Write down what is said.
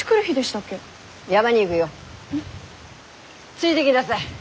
ついできなさい。